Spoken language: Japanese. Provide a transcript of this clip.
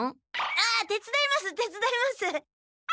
あ手つだいます手つだいます。